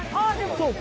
そうか。